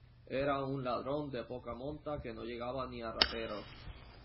Era un ladrón de poca monta que no llegaba ni a ratero